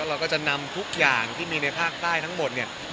เราก็จะนำทุกอย่างที่มีในภาคใต้ทั้งหมดเนี่ย